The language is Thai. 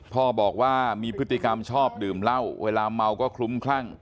พ่อบอกว่ามีพฤติกรรมชอบดื่มเหล้าเวลาเมาก็คลุ้มคลั่ง